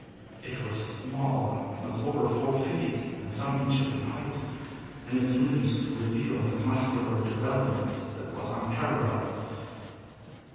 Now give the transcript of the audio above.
It was small, not over four feet and some inches in height, and its limbs revealed a muscular development that was unparalleled.